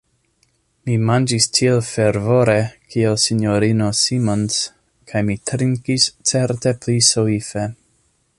Mi manĝis tiel fervore, kiel S-ino Simons, kaj mi trinkis certe pli soife.